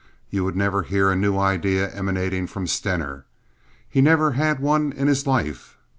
You would never hear a new idea emanating from Stener. He never had one in his life.